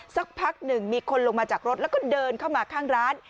สักพักหนึ่งมีคนลงมาจากรถแล้วก็เดินเข้ามาข้างร้าน